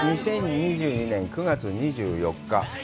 ２０２２年９月２４日。